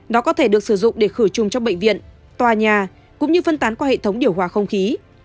nó có thể được sử dụng để khử trùng cho bệnh viện tòa nhà cũng như phân tán qua hệ thống điều hòa không khí